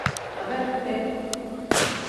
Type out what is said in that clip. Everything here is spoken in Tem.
Abente.